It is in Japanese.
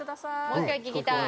もう一回聴きたい。